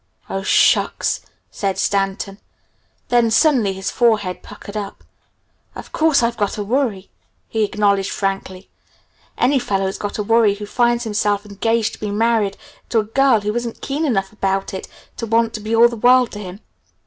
"Oh, shucks!" said Stanton. Then, suddenly his forehead puckered up. "Of course I've got a worry," he acknowledged frankly. "Any fellow's got a worry who finds himself engaged to be married to a girl who isn't keen enough about it to want to be all the world to him.